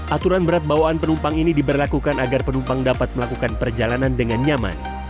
aturan berat bawaan penumpang ini diberlakukan agar penumpang dapat melakukan perjalanan dengan nyaman